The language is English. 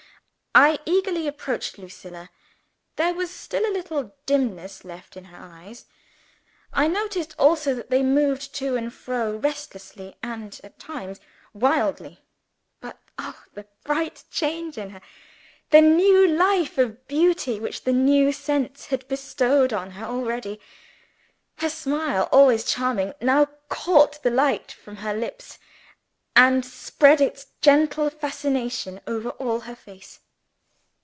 I eagerly approached Lucilla. There was still a little dimness left in her eyes. I noticed also that they moved to and fro restlessly, and (at times) wildly. But, oh, the bright change in her! the new life of beauty which the new sense had bestowed on her already! Her smile, always charming, now caught light from her lips, and spread its gentle fascination over all her face.